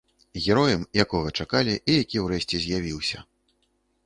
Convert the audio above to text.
Героем, якога чакалі, і які ўрэшце з'явіўся.